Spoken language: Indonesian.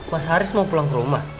mas haris mau pulang ke rumah